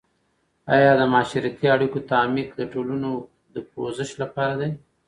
آیا د معاشرتي اړیکو تعمیق د ټولنو د پوزش لپاره دی؟